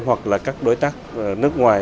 hoặc là các đối tác nước ngoài